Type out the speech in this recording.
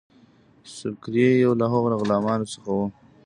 سُبکري یو له هغو غلامانو څخه وو.